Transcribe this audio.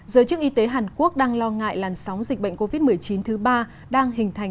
giới chức y tế hàn quốc đang lo ngại làn sóng dịch bệnh covid một mươi chín thứ ba đang hình thành